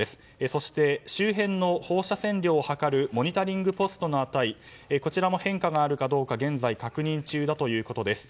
そして、周辺の放射線量を測るモニタリングポストの値こちらも変化があるかどうか現在確認中です。